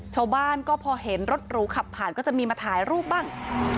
ชาวบ้านก็พอเห็นรถหรูขับผ่านก็จะมีมาถ่ายรูปบ้าง